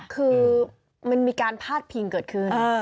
คือมันมีการพาดพิงเกิดขึ้น